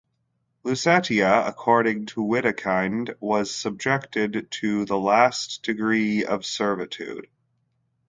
Lusatia, according to Widukind, was subjected to the last degree of servitude.